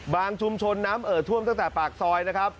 ชุมชนน้ำเอ่อท่วมตั้งแต่ปากซอยนะครับ